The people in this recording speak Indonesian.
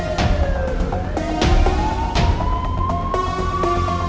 tidak ada apa